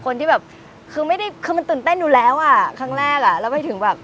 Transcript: คนที่แบบคือไม่ได้คือมันตื่นเต้นอยู่แล้วอ่ะครั้งแรกอ่ะแล้วไปถึงแบบ